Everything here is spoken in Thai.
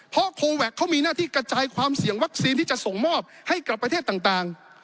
เพราะโคแวคเขามีหน้าที่กระจายความเสี่ยงวัคซีนที่จะส่งมอบให้กับประเทศต่าง